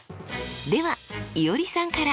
ではいおりさんから！